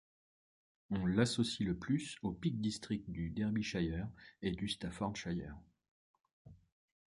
On l'associe le plus au Peak District du Derbyshire et du Staffordshire.